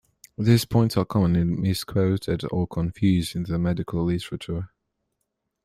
These points are commonly misquoted or confused in the medical literature.